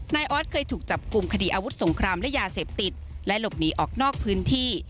ออสเคยถูกจับกลุ่มคดีอาวุธสงครามและยาเสพติดและหลบหนีออกนอกพื้นที่